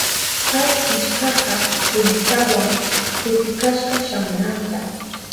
Kay killkaka kwintawan kutikashka shamunanta.